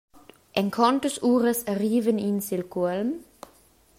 En contas uras arrivan ins sil cuolm?